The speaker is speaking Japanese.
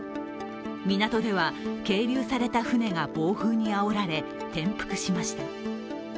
港では、係留された船が暴風にあおられ転覆しました。